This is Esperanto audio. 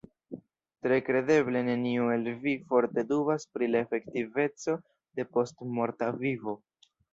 Tre kredeble neniu el vi forte dubas pri la efektiveco de postmorta vivo.